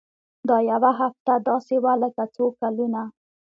دا يوه هفته داسې وه لکه څو کلونه.